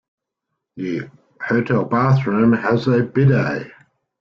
The hotel bathroom has a bidet.